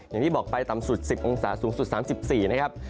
อย่างที่บอกไปต่ำสุด๑๐องศาสูงสุด๓๔นะครับ